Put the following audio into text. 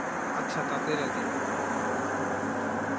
আচ্ছা, তাতেই রাজি।